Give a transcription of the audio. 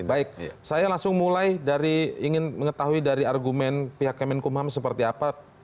baik saya langsung mulai dari ingin mengetahui dari argumen pihak kemenkumham seperti apa